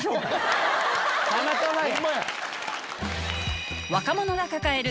たまたまや！